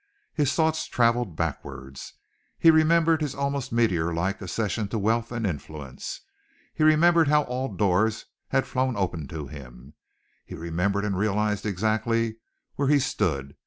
His thoughts travelled backwards. He remembered his almost meteor like accession to wealth and influence. He remembered how all doors had flown open to him. He remembered and realized exactly where he stood.